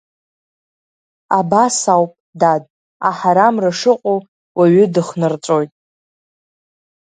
Абас ауп, дад, аҳарамра шыҟоу, уаҩы дыхнарҵәоит.